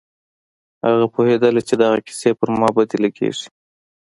هغه پوهېدله چې دغه کيسې پر ما بدې لگېږي.